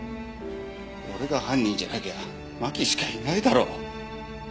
俺が犯人じゃなきゃ麻紀しかいないだろ。